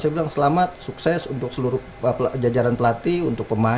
sebelum selamat sukses untuk seluruh pabla kejajaran pelatih untuk pemainnya